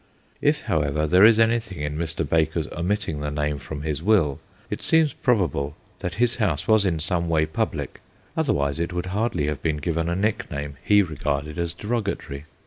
If, how ever, there is anything in Mr. Baker's omitting the name from his will, it seems probable that his house was in some way public, otherwise it would hardly have been given a nickname he regarded as derogatory.